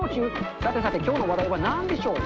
さてさて、きょうの話題はなんでしょう？